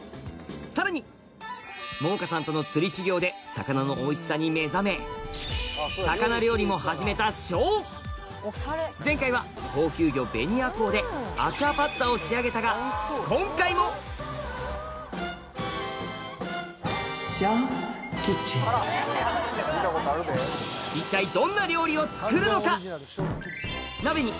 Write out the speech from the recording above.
さらに百々絵さんとの釣り修業で魚のおいしさに目覚め魚料理も始めたしょう前回は高級魚ベニアコウでアクアパッツァを仕上げたが今回もたっぷりのいい感じ！